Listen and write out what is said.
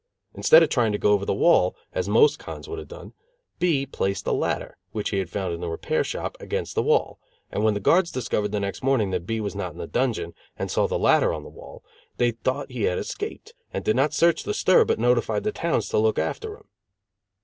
Instead of trying to go over the wall, as most cons would have done, B placed a ladder, which he found in the repair shop, against the wall, and when the guards discovered next morning that B was not in the dungeon, and saw the ladder on the wall, they thought he had escaped, and did not search the stir but notified the towns to look after him.